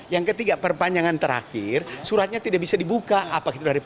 yang ketiga perpanjangan terakhir suratnya tidak bisa dibuka